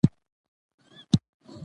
د خبرو ژبه د سولې ژبه ده